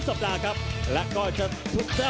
สวัสดีทุกคน